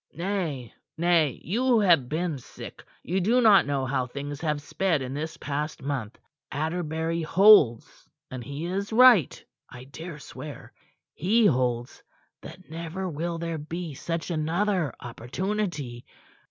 "Nay, nay; you have been sick; you do not know how things have sped in this past month. Atterbury holds, and he is right, I dare swear he holds that never will there be such another opportunity.